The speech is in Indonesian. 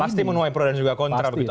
pasti menuai pro dan juga kontra begitu